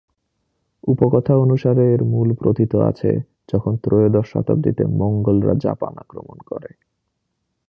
উপকথা অনুসারে এর মূল প্রোথিত আছে, যখন ত্রয়োদশ শতাব্দীতে মঙ্গোলরা জাপান আক্রমণ করে।